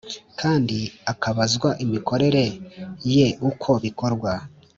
kandi akabazwa imikorere ye uko bikorwa